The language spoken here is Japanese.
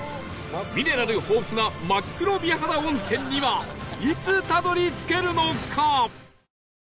ミネラル豊富な真っ黒美肌温泉にはいつたどり着けるのか？